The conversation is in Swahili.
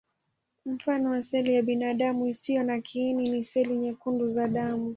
Mfano wa seli ya binadamu isiyo na kiini ni seli nyekundu za damu.